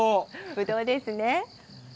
ぶどう。です。